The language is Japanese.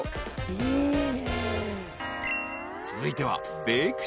［続いては］